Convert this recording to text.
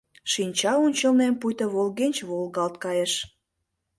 Шинча ончылнем пуйто волгенче волгалт кайыш.